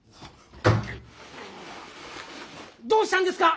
どうしたんですか